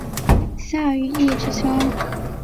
夏允彝之兄。